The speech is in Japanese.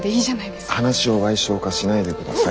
話を矮小化しないでください